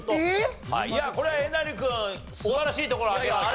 いやこれはえなり君素晴らしいところを開けました。